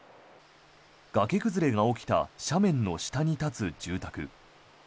崖崩れが起きた斜面の下に立つ住宅。